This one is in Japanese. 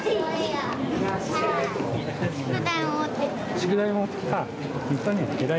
宿題持ってきたよ。